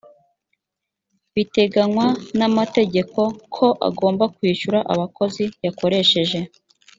biteganywa na mategeko ko agomba kwishyura abakozi yakoresheje